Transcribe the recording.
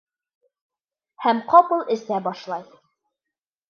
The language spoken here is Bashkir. Һәм ҡапыл эсә башлай.